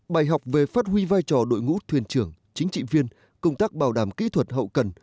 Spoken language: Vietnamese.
bài học về phát huy vai trò đội ngũ thuyền trưởng chính trị viên công tác bảo đảm kỹ thuật hậu cần